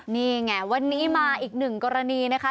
นี่ไงวันนี้มาอีกหนึ่งกรณีนะคะ